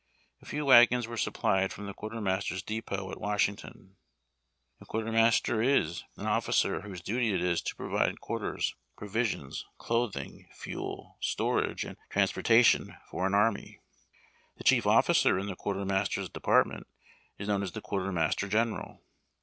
A few wagons were sup[)lied from the quartermaster's depot at Washington. A quartermaster is an officer whose duty it is to provide quarters, provisions, clothing, fuel, storage, and transportation for an army. The chief officer in the quar itermaster's department is known as the quartermaster 'general.